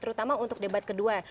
terutama untuk debat kedua